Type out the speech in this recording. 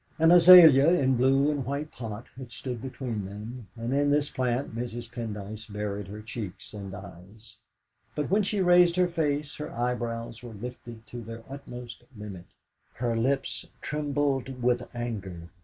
An azalea in a blue and white pot had stood between them, and in this plant Mrs. Pendyce buried her cheeks and eyes; but when she raised her face her eyebrows were lifted to their utmost limit, her lips trembled with anger.